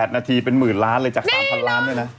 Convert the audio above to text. นาทีเป็นหมื่นล้านเลยจาก๓๐๐ล้านเนี่ยนะ